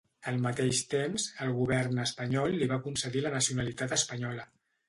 Al mateix temps, el govern espanyol li va concedir la nacionalitat espanyola.